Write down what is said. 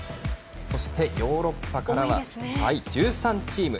そしてヨーロッパからは１３チーム。